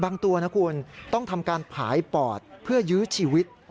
ตัวนะคุณต้องทำการผายปอดเพื่อยื้อชีวิต